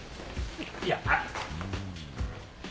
いや。